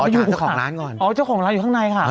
อยู่เจ้าของร้านก่อนอ๋อเจ้าของร้านอยู่ข้างในค่ะ